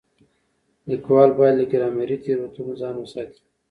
ليکوال بايد له ګرامري تېروتنو ځان وساتي.